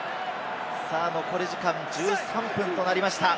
残り時間１３分となりました。